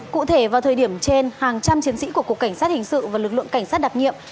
cụ thể vào thời điểm trên hàng trăm chiến sĩ của cục cảnh sát hình sự và lực lượng cảnh sát đặc nhiệm